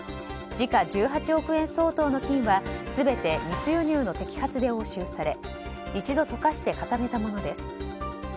時価１８億円相当の金は全て密輸入の摘発で押収され一度溶かして固めたものです。